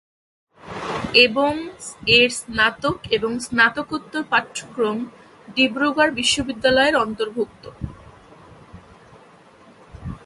এবং এর স্নাতক এবং স্নাতকোত্তর পাঠক্রম ডিব্রুগড় বিশ্ববিদ্যালয়ের অন্তর্ভুক্ত।